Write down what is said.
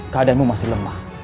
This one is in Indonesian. keadaanmu masih lemah